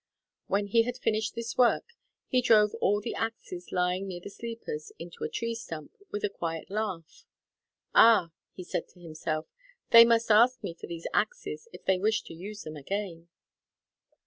When he had finished this work he drove all the axes lying near the sleepers into a tree stump with a quiet laugh. "Ah," he said to himself, "they must ask me for these axes if they wish to use them again."